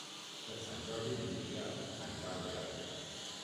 Per Sant Jordi en Julià anirà al teatre.